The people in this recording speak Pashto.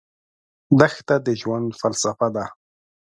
دښته د ژوند فلسفه ده.